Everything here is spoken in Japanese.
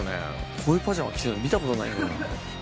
こういうパジャマ着てるの見たことないなぁ。